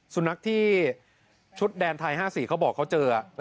สุนัขที่ชุดแดนไทย๕๔เขาบอกเขาเจอ